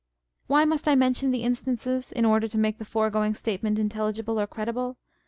Why must I mention the instances, in order to make the foregoing statement intelligible or credible ?